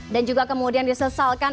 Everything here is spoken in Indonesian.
dan juga kemudian disesalkan